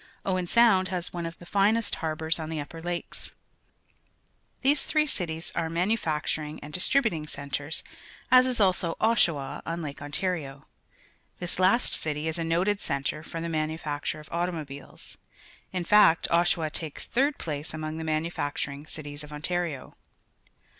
Owen Sound has one of the finest harbours on the Upper Lake_s^ These three cities are manu facturing and distributing centres, as is also Oshawa. on Lake Ontario. This last city is a noted centre for the manufacture of auto mobiles. I n fact , Oshawa takes third place An Automobile Factory, Oshawa, Ontario among the manufacturing cities of Ontario.